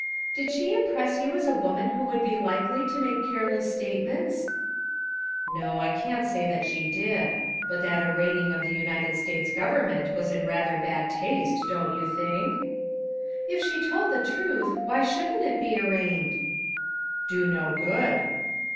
"Did she impress you as a woman who would be likely to make careless statements?" "No, I can't say that she did; but that arraigning of the United States govern ment was in rather bad taste, don't you think?" "If she told the truth, why shouldn't it be arraigned?" "Do no good."